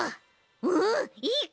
うんいいかんじ！